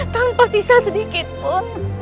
tanpa sisa sedikit pun